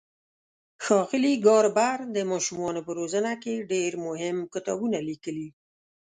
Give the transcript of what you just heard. ښاغلي ګاربر د ماشومانو په روزنه کې ډېر مهم کتابونه لیکلي.